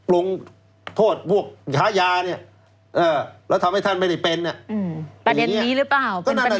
ลงโทษพวกค้ายาเนี่ยแล้วทำให้ท่านไม่ได้เป็นประเด็นนี้หรือเปล่า